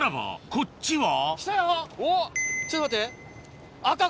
こっちは。